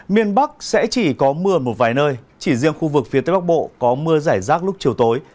miền bắc sẽ chỉ có mưa một vài nơi chỉ riêng khu vực phía tây bắc bộ có mưa giải rác lúc chiều tối